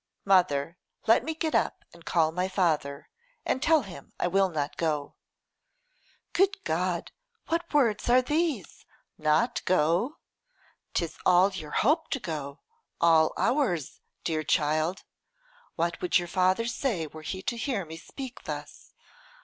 'Mother, let me get up and call my father, and tell him I will not go.' 'Good God! what words are these? Not go! 'Tis all your hope to go; all ours, dear child. What would your father say were he to hear me speak thus?